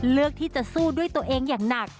เลือกที่จะสู้ด้วยตัวเองอย่างหนัก